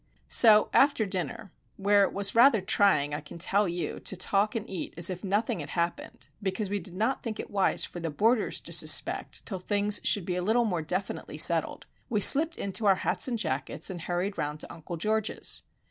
So after dinner,—where it was rather trying, I can tell you, to talk and eat as if nothing had happened because we did not think it wise for the boarders to suspect till things should be a little more definitely settled,—we slipped into our hats and jackets and hurried around to Uncle George's.